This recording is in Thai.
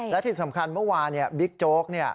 และที่สำคัญเมื่อวานบิ๊กโจ๊ก